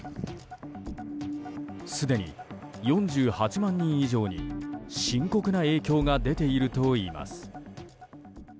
すでに４８万人以上に深刻な影響が出ているといいます。